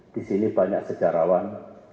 di sini banyak sejarawan